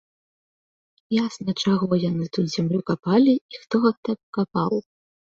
Ясна, чаго яны тут зямлю капалі і хто гэта капаў.